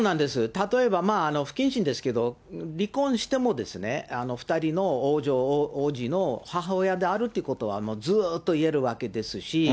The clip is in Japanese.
例えば不謹慎ですけど、離婚しても２人の王女、王子の母親であるってことはずっと言えるわけですし。